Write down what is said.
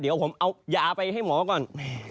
เดี๋ยวผมเอายาไปให้หมอก่อน